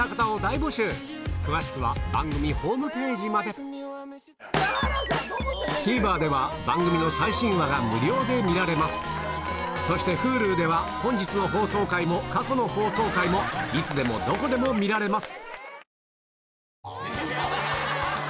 男女問わずＴＶｅｒでは番組の最新話が無料で見られますそしてＨｕｌｕでは本日の放送回も過去の放送回もいつでもどこでも見られます